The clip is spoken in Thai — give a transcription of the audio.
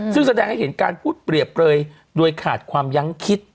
ซึ่งแสดงให้เห็นการพูดเปรียบเปลยโดยขาดความยั้งคิด